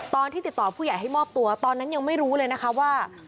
ตอนที่ติดต่อผู้ใหญ่ให้มอบตัวตอนนั้นยังไม่รู้เลยนะคะว่า